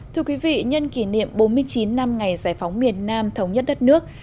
thưa quý vị nhân kỷ niệm bốn mươi chín năm ngày giải phóng miền nam thống nhất đất nước